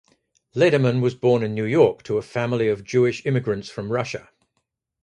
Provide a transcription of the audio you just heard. Lederman was born in New York to a family of Jewish immigrants from Russia.